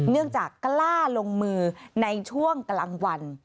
เนื่องจากกล้าลงมือในช่วงกลางวัน